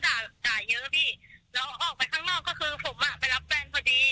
ด่าด่าเยอะพี่แล้วออกไปข้างนอกก็คือผมอ่ะไปรับแฟนพอดี